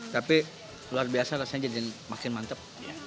tapi luar biasa rasanya makin mantep